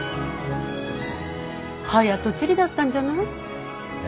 早とちりだったんじゃない？え？